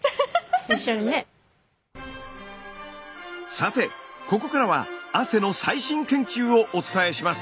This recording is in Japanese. さてここからは汗の最新研究をお伝えします。